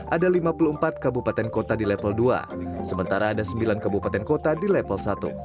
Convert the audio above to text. ada lima puluh empat kabupaten kota di level dua sementara ada sembilan kabupaten kota di level satu